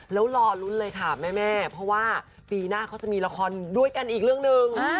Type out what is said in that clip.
แล้วรอลุ้นเลยค่ะแม่เพราะว่าปีหน้าเขาจะมีละครด้วยกันอีกเรื่องหนึ่ง